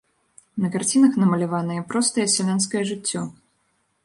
На карцінах намаляванае простае сялянскае жыццё.